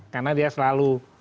karena dia selalu